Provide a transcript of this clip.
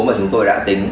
mà chúng tôi đã tính